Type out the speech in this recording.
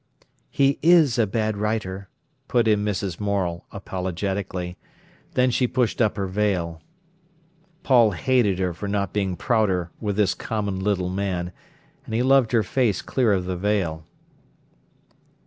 "He is a bad writer," put in Mrs. Morel apologetically. Then she pushed up her veil. Paul hated her for not being prouder with this common little man, and he loved her face clear of the veil.